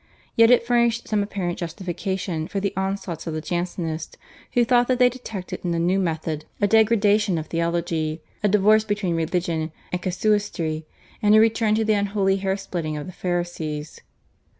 Yet it furnished some apparent justification for the onslaughts of the Jansenists, who thought that they detected in the new method a degradation of theology, a divorce between religion and casuistry, and a return to the unholy hair splitting of the Pharisees.